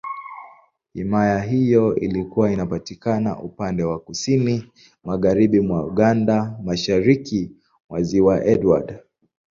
Himaya hiyo ilikuwa inapatikana upande wa Kusini Magharibi mwa Uganda, Mashariki mwa Ziwa Edward.